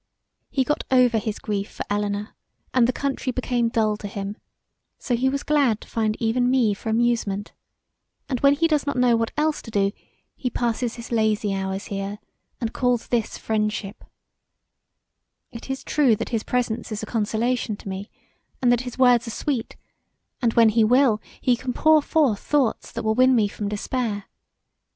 He got over his grief for Elinor, and the country became dull to him, so he was glad to find even me for amusement; and when he does not know what else to do he passes his lazy hours here, and calls this friendship It is true that his presence is a consolation to me, and that his words are sweet, and, when he will he can pour forth thoughts that win me from despair.